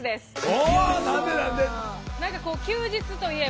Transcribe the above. お何で何で？